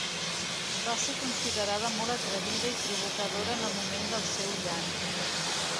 va ser considerada molt atrevida i provocadora en el moment del seu llan